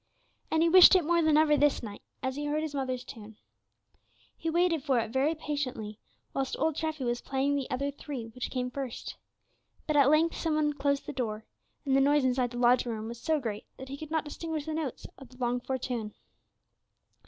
And he wished it more than ever this night, as he heard his mother's tune. He waited for it very patiently, whilst old Treffy was playing the other three which came first, but at length some one closed the door, and the noise inside the lodging room was so great that he could not distinguish the notes of the longed for tune.